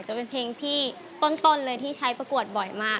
จะเป็นเพลงที่ต้นเลยที่ใช้ประกวดบ่อยมาก